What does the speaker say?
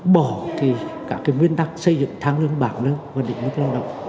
bỏ thì cả cái nguyên tắc xây dựng tháng lương bảng lương định mức lao động